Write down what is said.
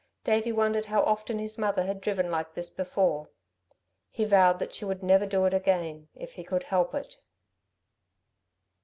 Davey wondered how often his mother had driven like this before. He vowed that she would never do it again if he could help it.